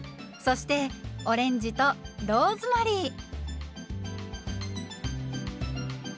そしてオレンジとローズマリー。